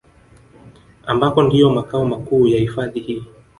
Ambako ndiyo makao makuu ya hifadhi hii